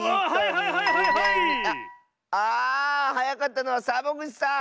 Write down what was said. はやかったのはサボぐちさん！